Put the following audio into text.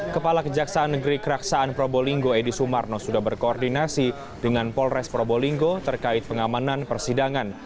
kepala kejaksaan negeri keraksaan probolinggo edi sumarno sudah berkoordinasi dengan polres probolinggo terkait pengamanan persidangan